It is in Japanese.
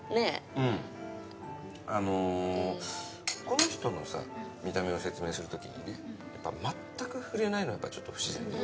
うんあのこの人のさ見た目を説明する時にね全く触れないのはやっぱちょっと不自然だよね。